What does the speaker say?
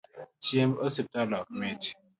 Chiemb osiptal ok mit